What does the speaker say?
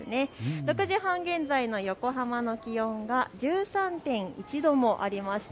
６時半現在の横浜の気温が１３．１度もありました。